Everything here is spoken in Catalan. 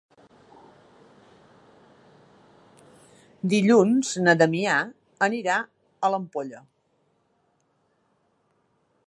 Dilluns na Damià anirà a l'Ampolla.